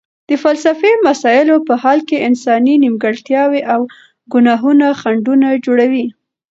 د فلسفي مسایلو په حل کې انساني نیمګړتیاوې او ګناهونه خنډونه جوړوي.